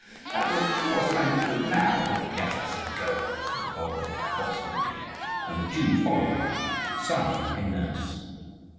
That will do us no good now." "Let us go," said Bulba, obstinately; and the Jew followed him, sighing like a nurse.